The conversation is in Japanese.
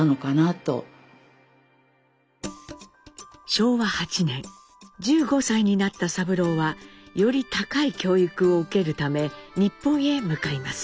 昭和８年１５歳になった三郎はより高い教育を受けるため日本へ向かいます。